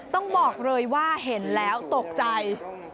ต้องบอกเลยว่าเห็นแล้วตกใจ